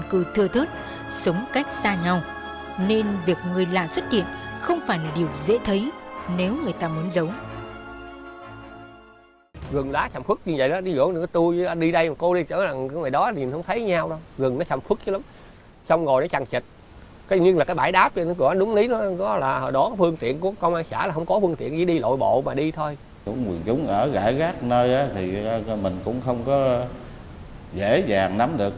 cũng nguồn chúng ở gãi gác nơi đó thì mình cũng không có dễ dàng nắm được